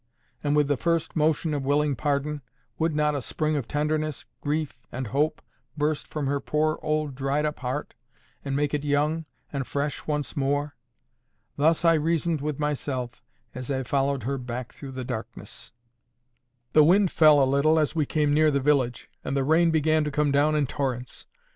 And with the first motion of willing pardon, would not a spring of tenderness, grief, and hope, burst from her poor old dried up heart, and make it young and fresh once more! Thus I reasoned with myself as I followed her back through the darkness. The wind fell a little as we came near the village, and the rain began to come down in torrents.